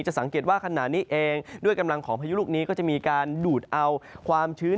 สังเกตว่าขณะนี้เองด้วยกำลังของพายุลูกนี้ก็จะมีการดูดเอาความชื้น